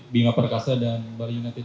bina perkasa dan bali united